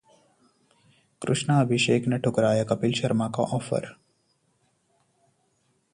कृष्णा अभिषेक ने ठुकराया कपिल शर्मा का ऑफर